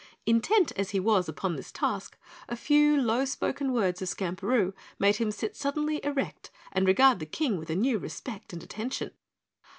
Intent as he was upon this task, a few low spoken words of Skamperoo made him sit suddenly erect and regard the King with new respect and attention.